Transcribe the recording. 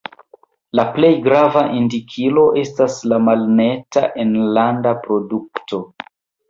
La plej grava indikilo estas la Malneta Enlanda Produkto.